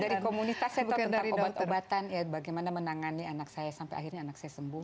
dari komunitas saya tahu tentang obat obatan ya bagaimana menangani anak saya sampai akhirnya anak saya sembuh